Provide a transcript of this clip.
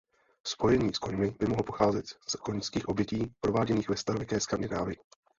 Spojení s koňmi by mohlo pocházet z koňských obětí prováděných ve starověké Skandinávii.